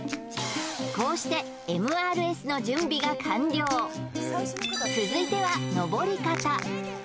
こうしてＭＲＳの準備が完了続いては登り方